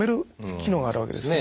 機能があるわけですね。